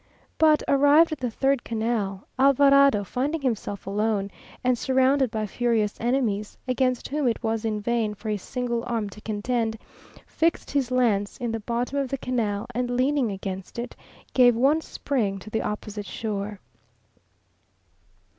But arrived at the third canal, Alvarado finding himself alone, and surrounded by furious enemies, against whom it was in vain for his single arm to contend, fixed his lance in the bottom of the canal, and leaning against it, gave one spring to the opposite shore.